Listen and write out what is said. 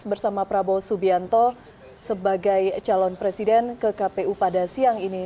bersama prabowo subianto sebagai calon presiden ke kpu pada siang ini